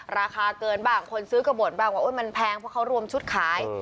ราคาเกินบ้างคนซื้อก็บ่นบ้างว่ามันแพงเพราะเขารวมชุดขาย